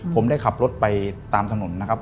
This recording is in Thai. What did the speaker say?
ผมได้ขับรถไปตามถนนนะครับ